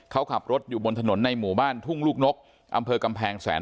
เขาขับรถอยู่บนถนนในหมู่บ้านทุ่งลูกนกอำเภอกำแพงแสน